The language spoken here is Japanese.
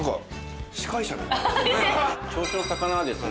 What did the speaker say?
銚子の魚はですね